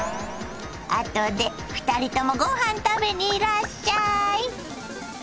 あとで２人ともごはん食べにいらっしゃい。